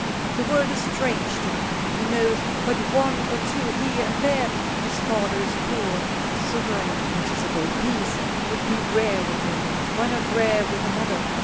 The world is strange to him. He knows but one or two here and there. His father is poor. A sovereign that is, a gold piece would be rare with him, why not rare with another?